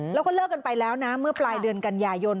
แล้วก็เลิกกันไปแล้วนะเมื่อปลายเดือนกันยายน